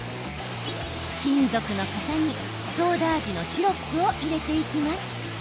金属の型にソーダ味のシロップを入れていきます。